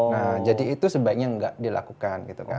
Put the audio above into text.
nah jadi itu sebaiknya nggak dilakukan gitu kan